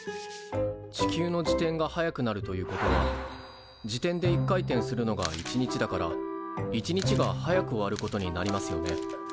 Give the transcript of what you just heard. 地球の自転が速くなるということは自転で一回転するのが１日だから１日が早く終わることになりますよね。